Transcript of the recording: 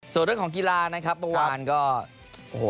ส่วนเรื่องของกีฬาภาพเมื่อคลานก็